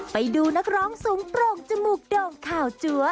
ไปดูนักร้องสูงโปร่งจมูกโด่งข่าวจัว